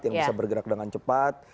yang bisa bergerak dengan cepat